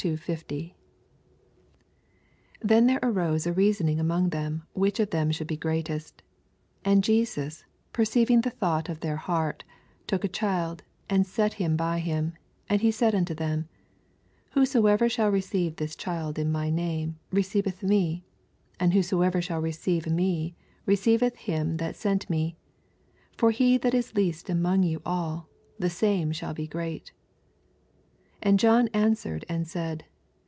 46—60. 46 Then there arose s reasoninff among them, which of them shoola be greatest. 47 And Jesus, peroeivinff the thought of their heart, took a child, and set him by him, 48 And said xmto them^ Whosoever shall receive this child m my name reoeiveth me: and whosoever shall receive me receiveth him that sent me : for he that is least among yon all, the same shall be great. 49 And John answered and said.